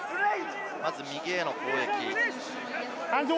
まず右への攻撃。